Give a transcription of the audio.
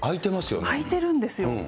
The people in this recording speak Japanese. あいているんですよ。